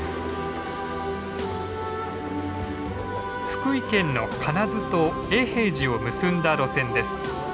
福井県の金津と永平寺を結んだ路線です。